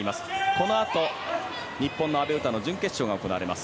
このあと、日本の阿部詩の準決勝が行われます。